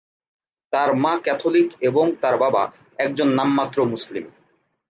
তার মা ক্যাথলিক এবং তার বাবা একজন নাম মাত্র মুসলিম।